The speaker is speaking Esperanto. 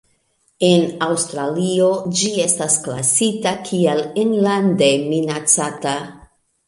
En Aŭstralio ĝi estas klasita kiel enlande minacata.